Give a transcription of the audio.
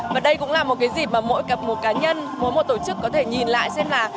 và đây cũng là một cái dịp mà mỗi cặp một cá nhân mỗi một tổ chức có thể nhìn lại xem là